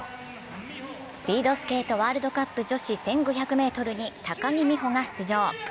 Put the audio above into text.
スピードスケートワールドカップ女子１５００ｍに高木美帆が出場。